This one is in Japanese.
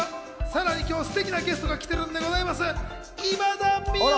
さらに今日はすてきなゲストが来ているんでございますよ。